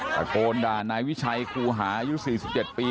ตะโกนด่านายวิชัยครูหาอายุ๔๗ปี